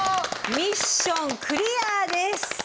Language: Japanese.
ミッションクリアです。